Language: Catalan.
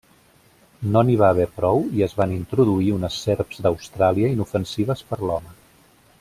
No n'hi va haver prou i es van introduir unes serps d'Austràlia inofensives per l'home.